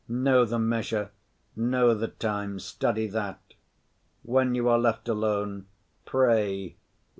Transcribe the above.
Know the measure, know the times, study that. When you are left alone, pray.